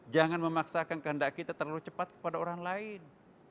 jangan memaksakan kehendak kita terlalu cepat kepada orang lain